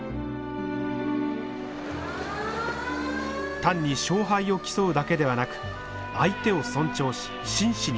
単に勝敗を競うだけではなく相手を尊重し真摯に野球に取り組む。